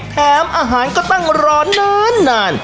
แถมอาหารก็ตั้งรอนาน